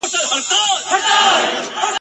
په غبرګو سترګو چي ساقي وینم مینا ووینم ..